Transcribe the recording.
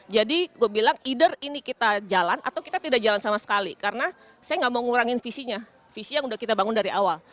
jadi gue bilang either ini kita jalan atau kita tidak jalan sama sekali karena saya gak mau ngurangin visinya visi yang kita bangun dari awal